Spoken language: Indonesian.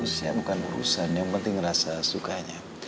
saya bukan urusan yang penting rasa sukanya